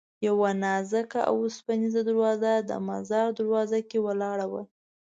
یوه نازکه اوسپنیزه دروازه د مزار دروازه کې ولاړه وه.